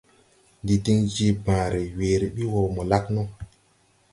Ndi din je bããre, weere bi wɔ mo lag no.